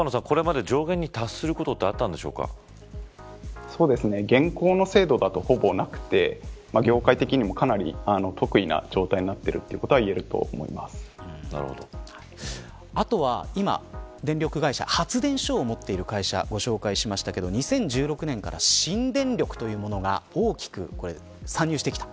曽我野さん、これまで上限に達することって現行の制度だと、ほぼなくて業界的にもかなり特異な状態になっているということがあとは今、電力会社発電所を持っている会社をご紹介しましたが２０１６年から新電力というものが大きく参入してきた。